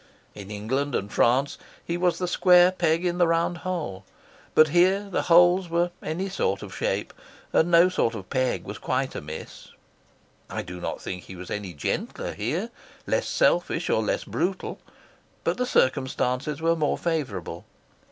In England and France he was the square peg in the round hole, but here the holes were any sort of shape, and no sort of peg was quite amiss. I do not think he was any gentler here, less selfish or less brutal, but the circumstances were more favourable.